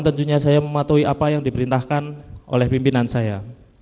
tentunya saya mematuhi apa yang diperintahkan oleh pimpinan saya